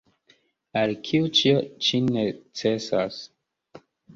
Al kiu ĉio ĉi necesas?